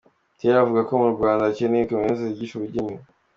Terry avugako mu Rwanda hakenewe kaminuza zigisha ubugeni.